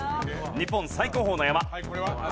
日本最高峰の山。